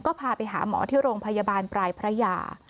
ก็พาไปหาหมอที่โรงพยาบาลปลายพระยา